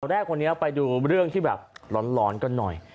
จากแรกไปดูเรื่องที่จะร้อนกันหน่อย